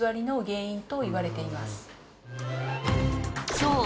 そう！